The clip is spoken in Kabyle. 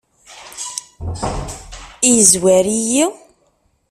Yezwar-iyi?